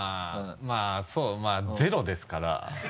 まぁそうまぁゼロですから。